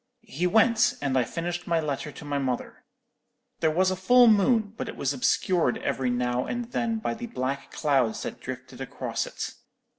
He went, and I finished my letter to my mother. There was a full moon, but it was obscured every now and then by the black clouds that drifted across it.